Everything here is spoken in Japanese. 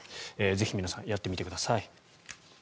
ぜひ皆さんやってみてください。